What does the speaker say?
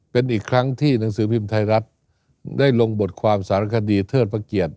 เป็นอีกครั้งที่หนังสือพิมพ์ไทยรัฐได้ลงบทความสารคดีเทิดพระเกียรติ